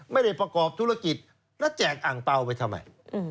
ไม่ได้ประกอบธุรกิจแล้วแจกอ่างเปล่าไปทำไม